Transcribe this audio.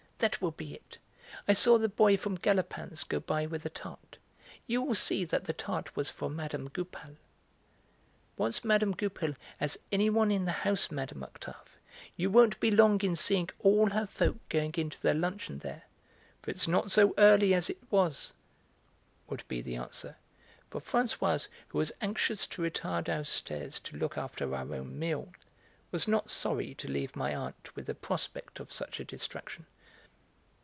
That will be it! I saw the boy from Galopin's go by with a tart. You will see that the tart was for Mme. Goupil." "Once Mme. Goupil has anyone in the house, Mme. Octave, you won't be long in seeing all her folk going in to their luncheon there, for it's not so early as it was," would be the answer, for Françoise, who was anxious to retire downstairs to look after our own meal, was not sorry to leave my aunt with the prospect of such a distraction.